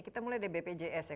kita mulai dari bpjs ya